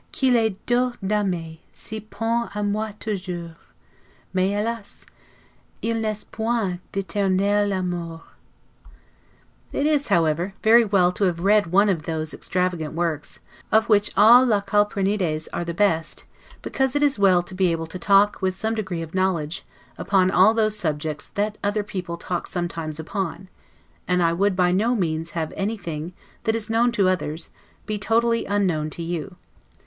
qu'il est doux d'aimer, si Pon aimoit toujours! Mais helas! il'n'est point d'eternelles amours." It is, however, very well to have read one of those extravagant works (of all which La Calprenede's are the best), because it is well to be able to talk, with some degree of knowledge, upon all those subjects that other people talk sometimes upon: and I would by no means have anything, that is known to others, be totally unknown to you.